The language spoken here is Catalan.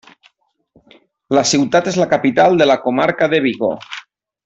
La ciutat és la capital de la comarca de Vigo.